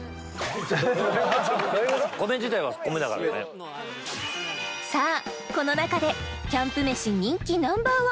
米自体は米だからさあこの中でキャンプ飯人気Ｎｏ．１